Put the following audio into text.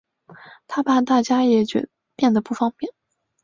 她怕大家也变得不方便